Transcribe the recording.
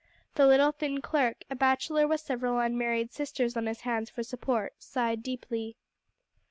The little, thin clerk, a bachelor with several unmarried sisters on his hands for support, sighed deeply.